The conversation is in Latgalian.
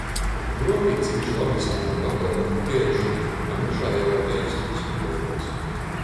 Gruovī cīši labi skrīn papeira kugeiši, a mežā jau deigst vyzbuleitis.